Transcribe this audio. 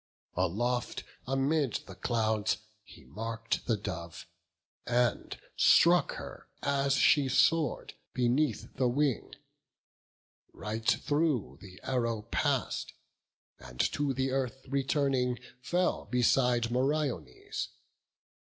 Aloft amid the clouds he mark'd the dove, And struck her, as she soar'd, beneath the wing; Right through the arrow pass'd; and to the earth Returning, fell beside Meriones.